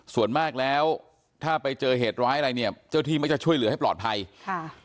ส่วนมากแล้วถ้าไปเจอเหตุร้ายอะไรเนี่ยเจ้าที่ไม่จะช่วยเหลือให้ปลอดภัยค่ะ